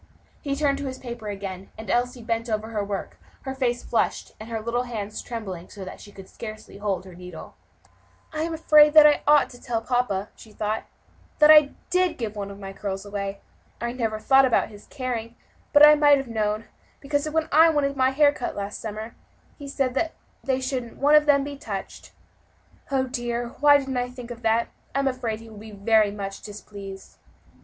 He turned to his paper again, and Elsie bent over her work, her face flushed, and her little hand trembling so that she could scarcely hold her needle. "I'm afraid I ought to tell papa," she thought, "that I did give one of my curls away. I never thought about his caring, but I might have known, because when I wanted my hair cut last summer, he said they shouldn't one of them be touched. Oh! dear, why didn't I think of that? I am afraid he will be very much displeased."